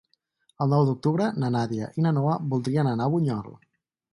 El nou d'octubre na Nàdia i na Noa voldrien anar a Bunyol.